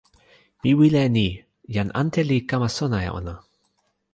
mi wile e ni: jan ante li kama sona e ona.